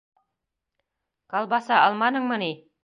Колбаса алманыңмы ни?